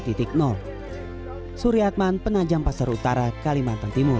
titik surya atman penajam pasar utara kalimantan timur